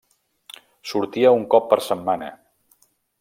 Sortia un cop per setmana.